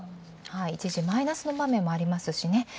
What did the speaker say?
一時マイナスの場面もありますよね。